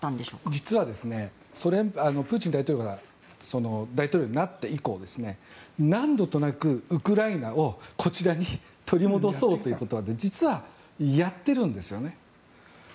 実はプーチン大統領が大統領になって以降何度となくウクライナをこちらに取り戻そうということは実はやっているんですよね。